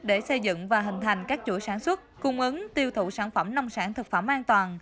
để xây dựng và hình thành các chuỗi sản xuất cung ứng tiêu thụ sản phẩm nông sản thực phẩm an toàn